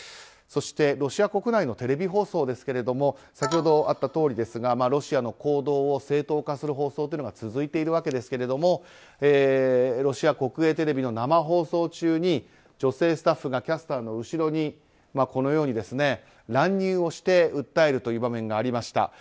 そして、ロシア国内のテレビ放送ですけど先ほどあったとおりロシアの行動を正当化する放送が続いているわけですけれどもロシア国営テレビの生放送中に女性スタッフがキャスターの後ろにこのように乱入をして訴えるという場面がありました。